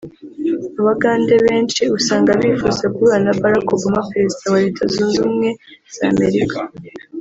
Abagande benshi usanga bifuza guhura na Barack Obama Perezida wa Leta Zunze Ubumwe z’Amerika